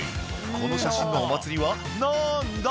この写真のお祭りはなんだ？」